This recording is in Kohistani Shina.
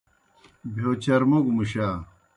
بہیو چرموگوْ مُشا۔